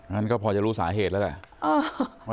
งั้นก็พอจะรู้สาเหตุแล้วแหละ